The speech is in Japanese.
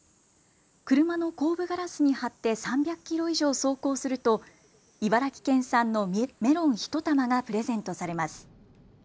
車の後部ガラスに貼って３００キロ以上走行すると茨城県産のメロン１玉がプレゼントされます。